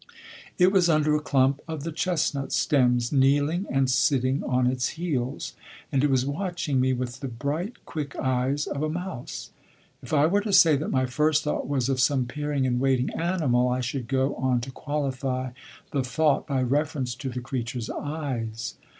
It was under a clump of the chestnut stems, kneeling and sitting on its heels, and it was watching me with the bright, quick eyes of a mouse. If I were to say that my first thought was of some peering and waiting animal, I should go on to qualify the thought by reference to the creature's eyes.